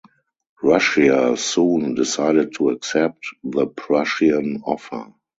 Russia soon decided to accept the Prussian offer.